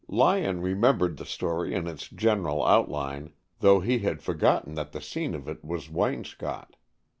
Lyon remembered the story in its general outline, though he had forgotten that the scene of it was Waynscott.